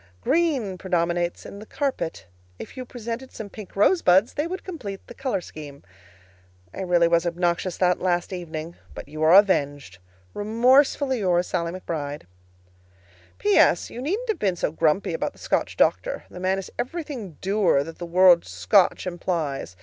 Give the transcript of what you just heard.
Green predominates in the carpet. If you presented some pink rosebuds, they would complete the color scheme. I really was obnoxious that last evening, but you are avenged. Remorsefully yours, SALLIE McBRIDE. P.S. You needn't have been so grumpy about the Scotch doctor. The man is everything dour that the word "Scotch" implies.